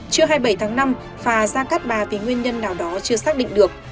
trưa hai mươi bảy tháng năm phà ra cát bà vì nguyên nhân nào đó chưa xác định được